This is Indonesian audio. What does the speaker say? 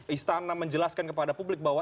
istana menjelaskan kepada publik bahwa